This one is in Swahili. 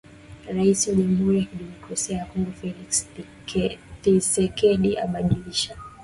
Raisi wa jamhuri ya kidemokrasia ya Kongo Felix Thisekedi alibadilisha